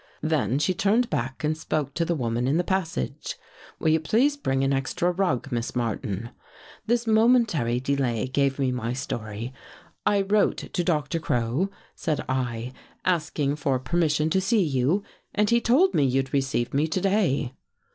" Then she turned back and spoke to the woman in the passage. ' Will you please bring an extra rug. Miss Martin.' " This momentary delay gave me my story. ' I wrote to Dr. Crow,' said I, ' asking for permission to see you, and he told me you'd receive me to day.